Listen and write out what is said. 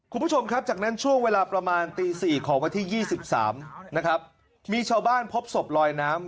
ผู้ชมครับจากนั้นช่วงเวลาประมาณตลอยน้ำนะครับมีเช่าบ้านพบสบลอยน้ำ